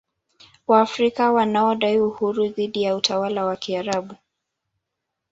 Waafrika wanaodai uhuru dhidi ya utawala wa Kiarabu